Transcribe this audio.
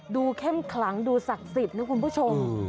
เข้มขลังดูศักดิ์สิทธิ์นะคุณผู้ชม